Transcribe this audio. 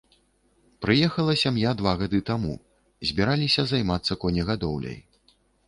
Прыехала сям'я два гады таму, збіраліся займацца конегадоўляй.